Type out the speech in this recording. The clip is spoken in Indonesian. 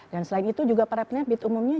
dan selain itu juga para penepit umumnya